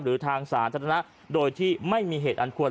หรือทางสาธารณะโดยที่ไม่มีเหตุอันควร